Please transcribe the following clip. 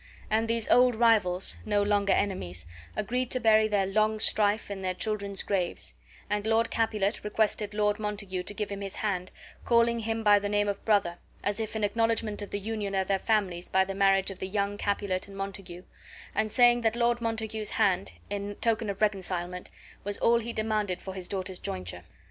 And these old rivals, no longer enemies, agreed to bury their long strife in their children's graves; and Lord Capulet requested Lord Montague to give him his hand, calling him by the name of brother, as if in acknowledgment of the union of their families by the marriage of the young Capulet and Montague; and saying that Lord Montague's hand (in token of reconcilement) was all he demanded for his daughter's jointure.